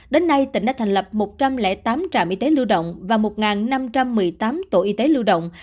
đến nay tỉnh đã thành lập một trăm linh tám trạm y tế lưu động và một năm trăm một mươi tám tổ y tế lưu động